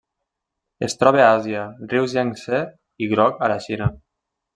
Es troba a Àsia: rius Iang-Tsé i Groc a la Xina.